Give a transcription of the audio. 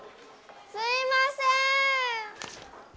すいません！